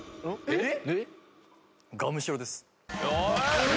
えっ？